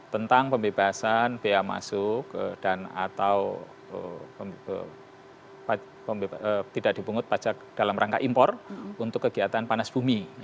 tentang pembebasan biaya masuk dan atau tidak dipungut pajak dalam rangka impor untuk kegiatan panas bumi